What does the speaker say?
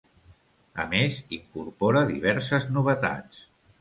A més, incorpora diverses novetats.